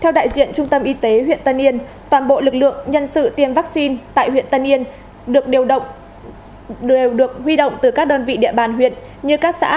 theo đại diện trung tâm y tế huyện tân yên toàn bộ lực lượng nhân sự tiêm vaccine tại huyện tân yên được điều động từ các đơn vị địa bàn huyện như các xã